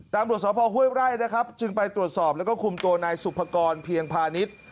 ตำรวจสพห้วยไร่นะครับจึงไปตรวจสอบแล้วก็คุมตัวนายสุภกรเพียงพาณิชย์